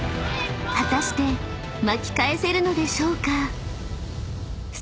［果たして巻き返せるのでしょうか？］